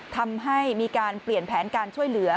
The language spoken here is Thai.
ทำให้มีการเปลี่ยนแผนการช่วยเหลือ